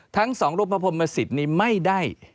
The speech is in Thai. ทั้งสองรูปพระพรหมสิทธิ์นี้ไม่ได้